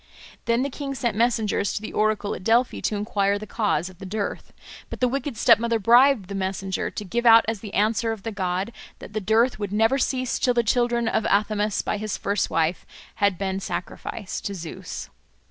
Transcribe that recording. Then the king sent messengers to the oracle at Delphi to enquire the cause of the dearth. But the wicked stepmother bribed the messenger to give out as the answer of the god that the dearth would never cease till the children of Athamas by his first wife had been sacrificed to Zeus.